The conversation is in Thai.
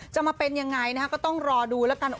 จะมาเป็นยังไงนะฮะก็ต้องรอดูแล้วกัน